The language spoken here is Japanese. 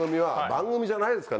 番組じゃない？